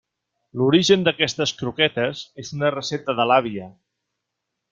L'origen d'aquestes croquetes és una recepta de l'àvia.